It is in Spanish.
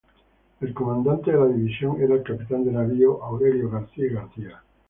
El comandante de la División era el capitán de navío Aurelio García y García.